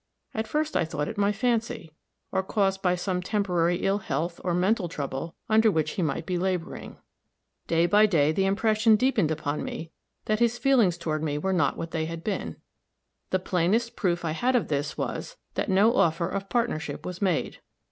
At first I thought it my fancy, or caused by some temporary ill health, or mental trouble, under which he might be laboring. Day by day the impression deepened upon me that his feelings toward me were not what they had been. The plainest proof I had of this was, that no offer of partnership was made.